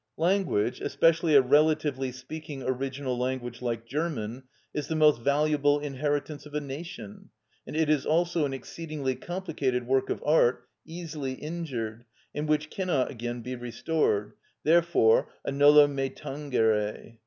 Language, especially a relatively speaking original language like German, is the most valuable inheritance of a nation, and it is also an exceedingly complicated work of art, easily injured, and which cannot again be restored, therefore a noli me tangere.